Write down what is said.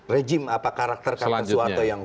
rejim apa karakter karena soeharto yang